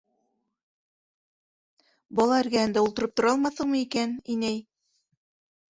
Бала эргәһендә ултырып тора алмаҫһыңмы икән, инәй?